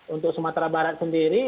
untuk sumatera barat sendiri